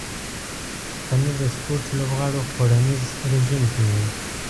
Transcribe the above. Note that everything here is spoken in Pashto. پنېر د سپورت لوبغاړو خوړنیز رژیم کې وي.